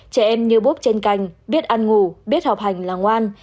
trẻ em như bốp trên cành biết ăn ngủ biết học hành là ngoan